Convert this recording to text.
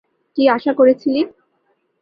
কী আশা করেছিলি?